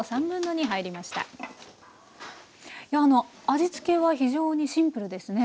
味付けは非常にシンプルですね。